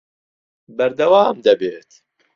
بەردەوام دەبێت